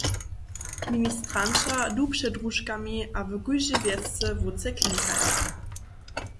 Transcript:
Ministranća du před družkami a w kóždej wjesce wótře klinkaja.